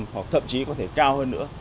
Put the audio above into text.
hoặc thậm chí có thể cao hơn nữa